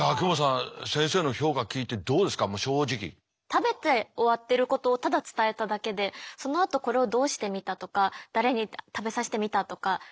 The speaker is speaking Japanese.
食べて終わってることをただ伝えただけでそのあとこれをどうしてみたとか誰に食べさせてみたとか。